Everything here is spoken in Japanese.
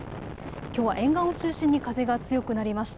きょうは沿岸を中心に風が強くなりました。